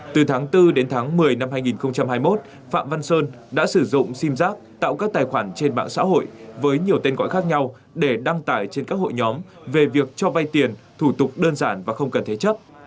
từ tháng bốn đến tháng một mươi năm hai nghìn hai mươi một phạm văn sơn đã sử dụng sim giác tạo các tài khoản trên mạng xã hội với nhiều tên gọi khác nhau để đăng tải trên các hội nhóm về việc cho vay tiền thủ tục đơn giản và không cần thế chấp